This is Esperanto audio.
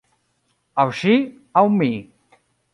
Aŭ ŝi aŭ mi!